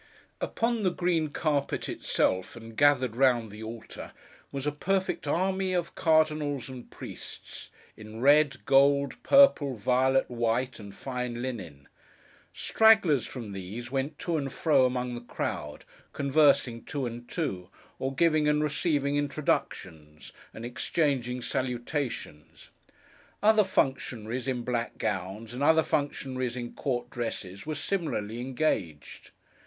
Upon the green carpet itself, and gathered round the altar, was a perfect army of cardinals and priests, in red, gold, purple, violet, white, and fine linen. Stragglers from these, went to and fro among the crowd, conversing two and two, or giving and receiving introductions, and exchanging salutations; other functionaries in black gowns, and other functionaries in court dresses, were similarly engaged.